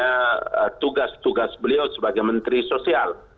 karena tugas tugas beliau sebagai menteri sosial